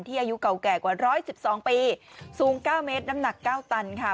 อายุเก่าแก่กว่า๑๑๒ปีสูง๙เมตรน้ำหนัก๙ตันค่ะ